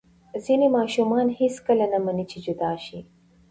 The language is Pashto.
ځینې ماشومان هېڅکله نه مني چې جدا شي.